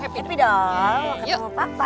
happy dong ketemu papa